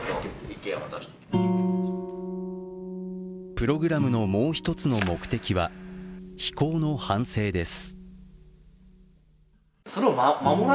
プログラムのもう一つの目的は非行の反省です。